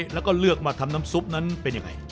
แล้วก็เลือกมาทำน้ำซุปนั้นเป็นยังไง